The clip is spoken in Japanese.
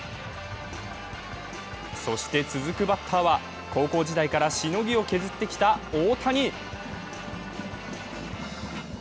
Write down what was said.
そして続くバッターは高校時代からしのぎを削ってきた大谷。